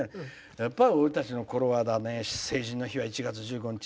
やっぱ、私たちのころは成人の日は１月１５日。